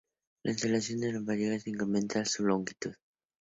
La instalación de un apagallamas incrementa su longitud.